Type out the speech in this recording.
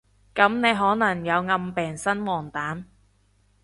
噉你可能有暗病生黃疸？